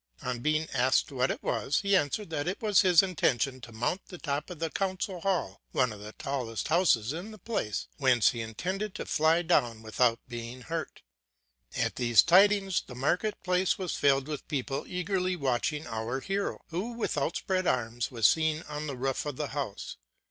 On being asked what it was, he answered that it was his in tention to mount the top of the council hall, one of the highest houses in the place, whence he intended to fly down without being hurt. At these tidings, the market place was filled with people eagerly watching our hero, who with outspread arms was seen on the roof of the house.